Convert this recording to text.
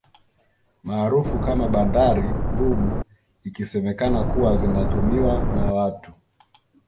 Maarufu kama bandari bubu ikisemekana kuwa zinatumiwa na watu